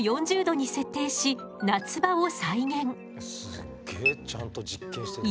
すっげえちゃんと実験してんだ。